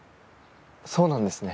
そうなんですね。